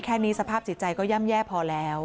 แค่นี้สภาพจิตใจก็ย่ำแย่พอแล้ว